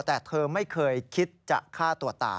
แต่เธอไม่เคยคิดจะฆ่าตัวตาย